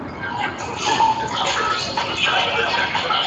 El "Assiniboine" encalló en un banco de arena y la tripulación pudo ser evacuada.